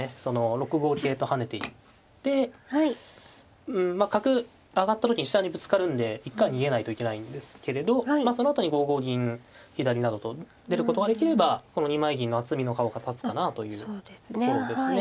６五桂と跳ねていってうんまあ角上がった時に飛車にぶつかるんで一回は逃げないといけないんですけれどまあそのあとに５五銀左などと出ることができればこの二枚銀の厚みの顔が立つかなというところですね。